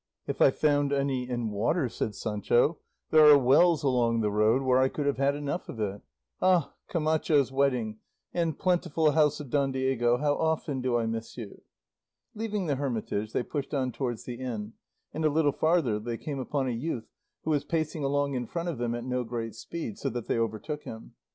"If I found any in water," said Sancho, "there are wells along the road where I could have had enough of it. Ah, Camacho's wedding, and plentiful house of Don Diego, how often do I miss you!" Leaving the hermitage, they pushed on towards the inn, and a little farther they came upon a youth who was pacing along in front of them at no great speed, so that they overtook him.